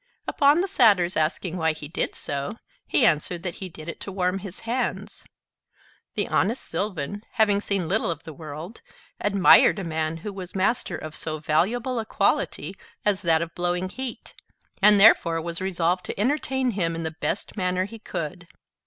Upon the Satyr's asking why he did so, he answered, that he did it to warm his hands. The honest sylvan having seen little of the world, admired a man who was master of so valuable a quality as that of blowing heat, and therefore was resolved to entertain him in the best manner he could.